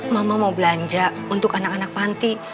mama mau belanja untuk anak anak panti